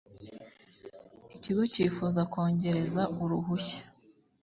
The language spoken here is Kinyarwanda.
ikigo cyifuza kongereza uruhushya